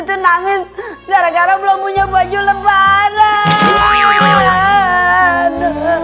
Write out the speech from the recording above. tenangin gara gara belum punya baju lebaran